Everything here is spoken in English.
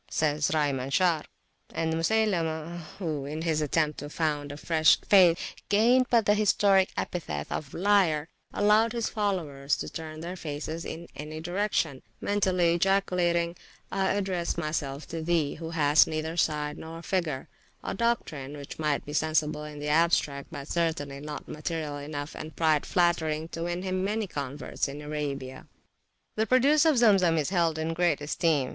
says Rai Manshar. And Musaylimah, who in his attempt to found a fresh faith, gained but the historic epithet of Liar, allowed his followers to turn their faces in any direction, mentally ejaculating, I address myself to thee, who hast neither side nor figure; a doctrine which might be sensible in the abstract, but certainly not material enough and pride flattering to win him many converts in Arabia. The produce of Zemzem is held in great esteem.